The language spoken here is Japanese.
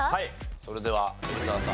それでは芹澤さん